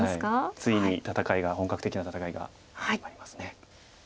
ついに戦いが本格的な戦いが始まります。